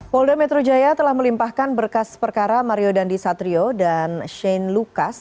polda metro jaya telah melimpahkan berkas perkara mario dandi satrio dan shane lucas